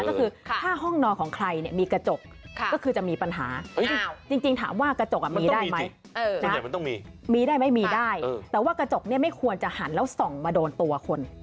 ก็คือถ้าห้องนอนของใครเนี่ยมีกระจกก็คือจะมีปัญหาจริงถามว่ากระจกมีได้ไหมส่วนใหญ่มันต้องมีมีได้ไหมมีได้แต่ว่ากระจกเนี่ยไม่ควรจะหันแล้วส่องมาโดนตัวคน